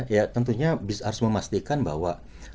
ya tentunya harus memastikan bahwa